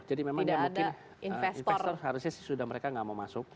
jadi memang ini mungkin investor harusnya sudah mereka tidak mau masuk